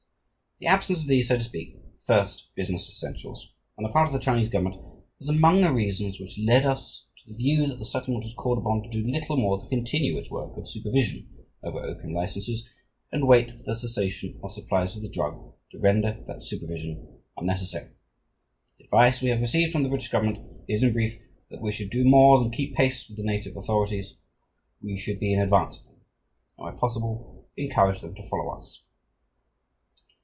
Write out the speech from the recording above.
The absence of these, so to speak, first business essentials, on the part of the Chinese government, was among the reasons which led us to the view that the settlement was called upon to do little more than continue its work of supervision over opium licenses, and wait for the cessation of supplies of the drug to render that supervision unnecessary.... The advice we have received from the British Government is, in brief, that we should do more than keep pace with the native authorities, we should be in advance of them and where possible encourage them to follow us."